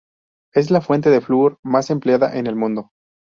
Es la fuente de flúor más empleada en el mundo.